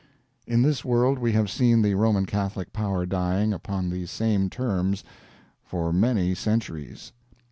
In this world we have seen the Roman Catholic power dying, upon these same terms, for many centuries.